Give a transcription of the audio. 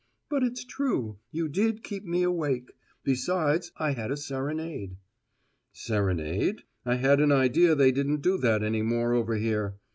"But it's true: you did keep me awake. Besides, I had a serenade." "Serenade? I had an idea they didn't do that any more over here.